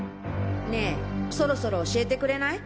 ねえそろそろ教えてくれない？